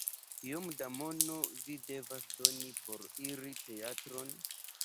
Kiom da mono mi devas doni por iri teatron?